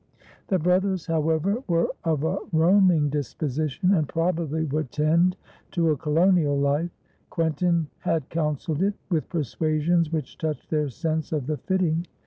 The brothers, however, were of a roaming disposition, and probably would tend to a colonial life; Quentin had counselled it, with persuasions which touched their sense of the fitting.